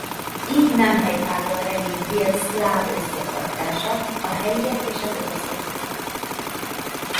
Így nem helytálló a regény vélt „szláv összetartása“ a helyiek és az oroszok között.